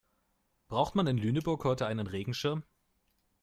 Braucht man in Lüneburg heute einen Regenschirm?